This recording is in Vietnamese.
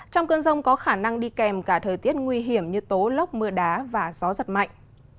trong cơn rông có khả năng đi kèm cả thời tiết nguy hiểm như tố lốc mưa đá và gió giật mạnh